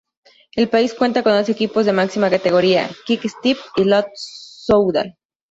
El país cuenta con dos equipos de máxima categoría: Quick Step y Lotto Soudal.